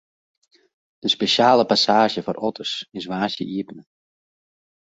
De spesjale passaazje foar otters is woansdei iepene.